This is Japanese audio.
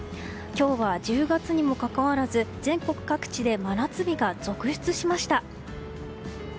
今日は１０月にもかかわらず全国各地で真夏日が続出しました。